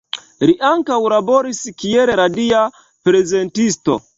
Li ankaŭ laboris kiel radia prezentisto.